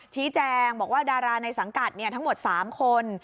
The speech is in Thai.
ชี้แจงบอกว่าดาราในสังกัดทั้งหมด๓คน